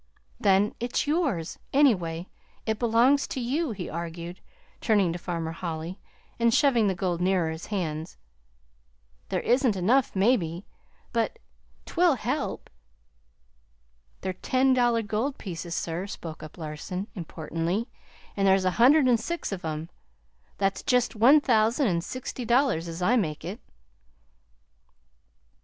Then, it's yours, anyway it belongs to you," he argued, turning to Farmer Holly, and shoving the gold nearer to his hands. "There isn't enough, maybe but 't will help!" "They're ten dollar gold pieces, sir," spoke up Larson importantly; "an' there's a hundred an' six of them. That's jest one thousand an' sixty dollars, as I make it."